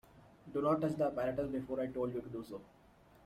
Do not touch the apparatus before I told you to do so.